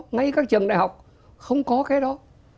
ngay các trường đại học không có cái đó